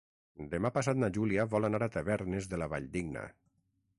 Demà passat na Júlia vol anar a Tavernes de la Valldigna.